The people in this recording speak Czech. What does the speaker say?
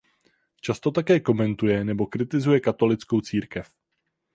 Často také komentuje nebo kritizuje Katolickou církev.